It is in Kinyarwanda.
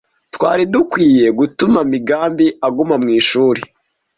Twari dukwiye gutuma Migambi aguma mwishuri.